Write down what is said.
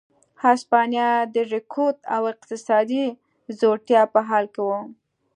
هسپانیا د رکود او اقتصادي ځوړتیا په حال کې وه.